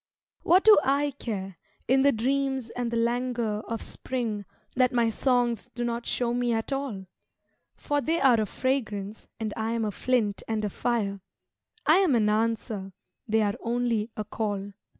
What do I care, in the dreams and the languor of spring, That my songs do not show me at all? For they are a fragrance, and I am a flint and a fire, I am an answer, they are only a call.